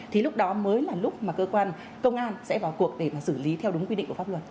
thì lúc đó mới là lúc mà cơ quan công an sẽ vào cuộc để mà xử lý theo đúng quy định của pháp luật